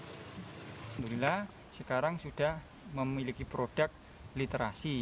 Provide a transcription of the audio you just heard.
alhamdulillah sekarang sudah memiliki produk literasi